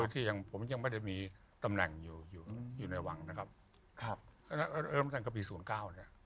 ที่ผมยังไม่ได้มีตำแหน่งอยู่ในหวังนะครับเริ่มสั่งกับปี๐๙เนี่ย